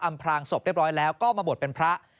พรางศพเรียบร้อยแล้วก็มาบวชเป็นพระ